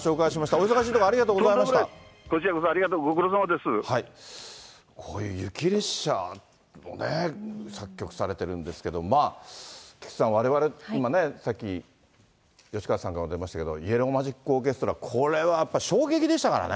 お忙しいところ、とんでもない、こちらこそ、こういう雪列車もね、作曲されてるんですけど、まあ、さっき、吉川さんから出ましたけれども、イエロー・マジック・オーケストラ、これはやっぱ衝撃でしたからね。